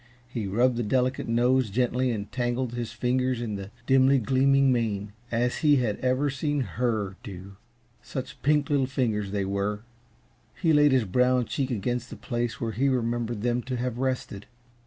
He rubbed the delicate nose gently and tangled his fingers in the dimly gleaming mane, as he had seen HER do. Such pink little fingers they were! He laid his brown cheek against the place where he remembered them to have rested.